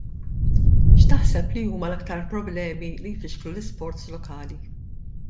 X'taħseb li huma l-aktar problemi li jfixklu l-isports lokali?